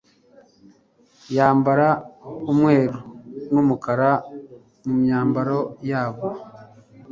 yambara umweru n'umukara mumyambaro yabo